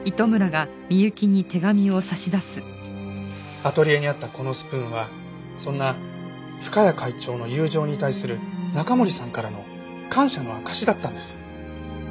アトリエにあったこのスプーンはそんな深谷会長の友情に対する中森さんからの感謝の証しだったんです。